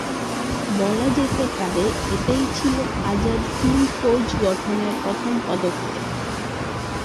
বলা যেতে পারে এটাই ছিল আজাদ হিন্দ ফৌজ গঠনের প্রথম পদক্ষেপ।